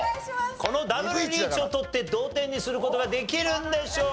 このダブルリーチを取って同点にする事ができるんでしょうか？